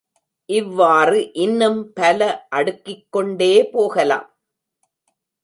இவ்வாறு இன்னும் பல அடுக்கிக்கொண்டே போகலாம்.